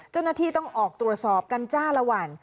เจ้าหน้าที่ต้องออกตรวจสอบกันจ้าละวัน